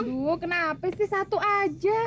bu kenapa sih satu aja